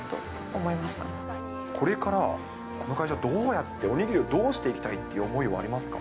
これから、この会社をどうやって、おにぎりをどうしていきたいっていう思いがありますか。